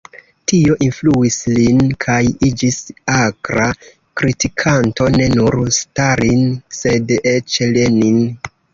Tio influis lin kaj iĝis akra kritikanto ne nur Stalin sed eĉ Lenin.